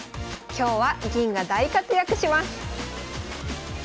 今日は銀が大活躍します